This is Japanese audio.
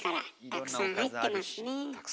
たくさん入ってます。